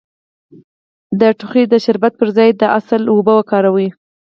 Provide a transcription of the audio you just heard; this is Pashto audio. د ټوخي د شربت پر ځای د عسل اوبه وکاروئ